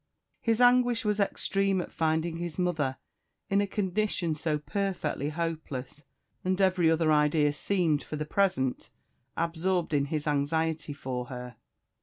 His anguish was extreme at finding his mother in a condition so perfectly hopeless; and every other idea seemed, for the present, absorbed in his anxiety for her.